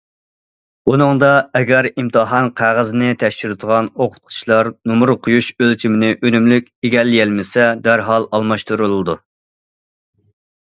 بۇنىڭدا ئەگەر ئىمتىھان قەغىزىنى تەكشۈرىدىغان ئوقۇتقۇچىلار نومۇر قويۇش ئۆلچىمىنى ئۈنۈملۈك ئىگىلىيەلمىسە دەرھال ئالماشتۇرۇلىدۇ.